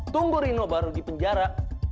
tunggu rino baru di penjara